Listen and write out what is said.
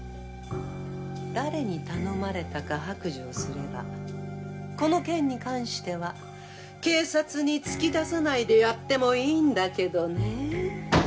誰に頼まれたか白状すればこの件に関しては警察に突き出さないでやってもいいんだけどねぇ。